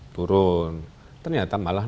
turun ternyata malah